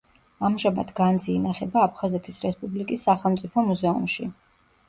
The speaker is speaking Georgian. ამჟამად განძი ინახება აფხაზეთის რესპუბლიკის სახელმწიფო მუზეუმში.